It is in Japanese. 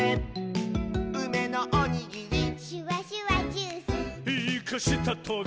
「うめのおにぎり」「シュワシュワジュース」「イカしたトゲ」